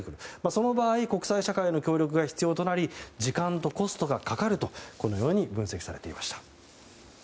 その場合国際社会の協力が必要になり時間とコストがかかるとこのように分析されていました。